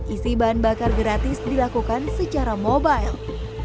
isi bahan bakar gratis dilakukan secara mobile